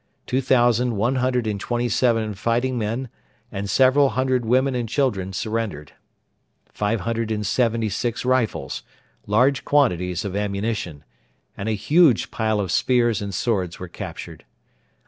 Two thousand one hundred and twenty seven fighting men and several hundred women and children surrendered. Five hundred and seventy six rifles, large quantities of ammunition, and a huge pile of spears and swords were captured.